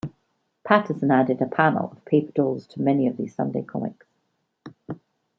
Patterson added a panel of paper dolls to many of these Sunday comics.